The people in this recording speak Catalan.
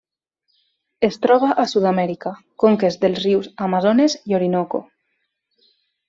Es troba a Sud-amèrica: conques dels rius Amazones i Orinoco.